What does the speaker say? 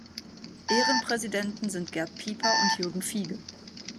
Ehrenpräsidenten sind Gerd Pieper und Jürgen Fiege.